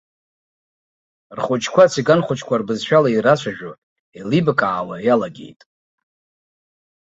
Рхәыҷқәа ациган-хәыҷқәа рбызшәала ирацәажәо, еилибакаауа иалагеит.